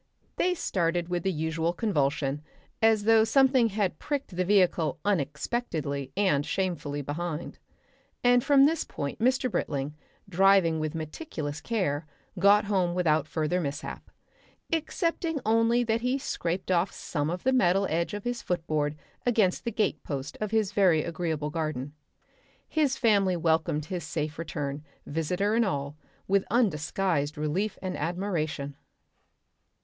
They started with the usual convulsion, as though something had pricked the vehicle unexpectedly and shamefully behind. And from this point Mr. Britling, driving with meticulous care, got home without further mishap, excepting only that he scraped off some of the metal edge of his footboard against the gate post of his very agreeable garden. His family welcomed his safe return, visitor and all, with undisguised relief and admiration.